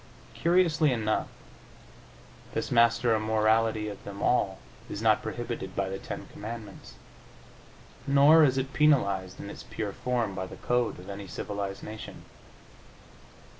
Curiously enough, this master immorality of them all is not prohibited by the Ten Commandments, nor is it penalized, in its pure form, by the code of any civilized nation.